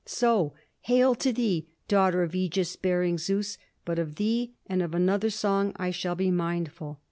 "So hail to thee, daughter of ægis bearing Zeus! But of thee and of another song I shall be mindful."